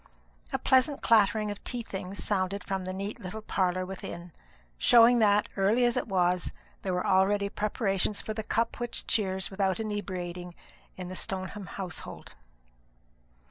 A pleasant clattering of tea things sounded from the neat little parlour within, showing that, early as it was, there were already preparations for the cup which cheers without inebriating in the Stoneham household.